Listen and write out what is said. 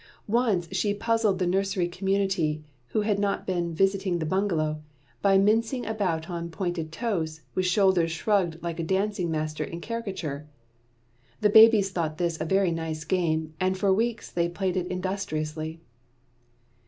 Once she puzzled the nursery community who had not been visiting the bungalow, by mincing about on pointed toes, with shoulders shrugged like a dancing master in caricature. The babies thought this a very nice game, and for weeks they played it industriously.